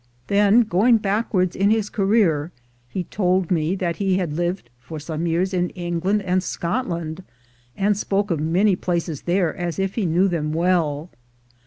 Then, going backwards in his career, he told me that he had lived for some years in England and Scotland, and spoke of many places there as if he knew them well.